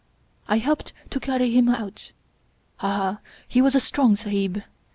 I helped to carry him out. Aha, he was a strong Sahib!